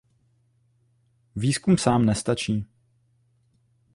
Výzkum sám nestačí.